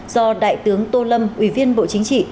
do đại tướng tô lâm ủy viên bộ chính trị